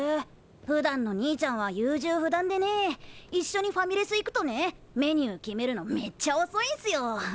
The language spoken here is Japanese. ふだんの兄ちゃんは優柔不断でねいっしょにファミレス行くとねメニュー決めるのめっちゃおそいんすよ。